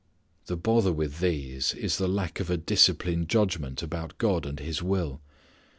The bother with these is the lack of a disciplined judgment about God and His will.